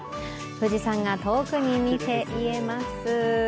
富士山が遠くに見えます。